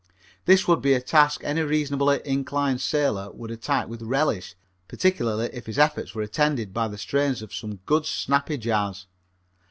This would be a task any reasonably inclined sailor would attack with relish, particularly if his efforts were attended by the strains of some good, snappy jazz.